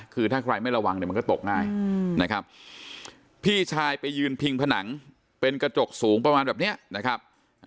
คือถ้าใครไม่ระวังเนี่ยมันก็ตกง่ายนะครับพี่ชายไปยืนพิงผนังเป็นกระจกสูงประมาณแบบนี้นะครับ